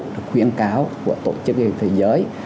được khuyến cáo của tổ chức y tế thế giới